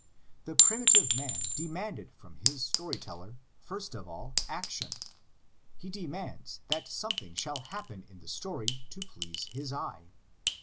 The primitive man demanded from his story teller first of all action; he demands that something shall hap pen in the story to please his eye.